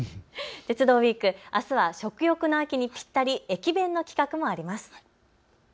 鉄道ウイーク、あすは食欲の秋にぴったり、駅弁の企画もあります。